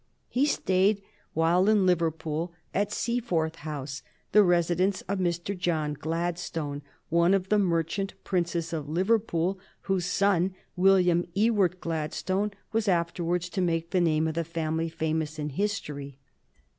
He stayed while in Liverpool at Seaforth House, the residence of Mr. John Gladstone, one of the merchant princes of Liverpool, whose son William Ewart Gladstone was afterwards to make the name of the family famous in history.